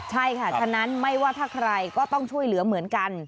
ใช่ค่ะฉะนั้นไม่ว่าถ้าใครก็ต้องช่วยเหลือเหมือนกัน